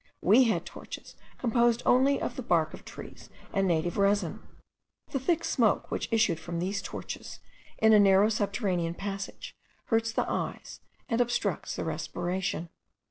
We had torches composed only of the bark of trees and native resin. The thick smoke which issued from these torches, in a narrow subterranean passage, hurts the eyes and obstructs the respiration.